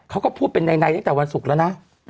เขาก็พูดเป็นในตั้งแต่วันศุกร์แล้วนะ